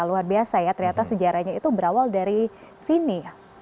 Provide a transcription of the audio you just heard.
luar biasa ya ternyata sejarahnya itu berawal dari sini